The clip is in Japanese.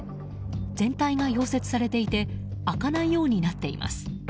全体が溶接されていて開かないようになっています。